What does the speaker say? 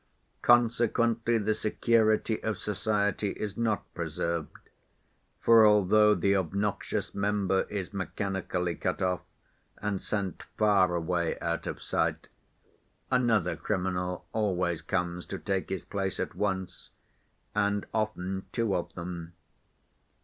Consequently the security of society is not preserved, for, although the obnoxious member is mechanically cut off and sent far away out of sight, another criminal always comes to take his place at once, and often two of them.